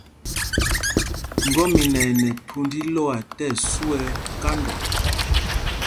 Ŋgɔ́mina ɛ nɛ thūnd ílɔ́a tí ɛsu ɛ́ kanda.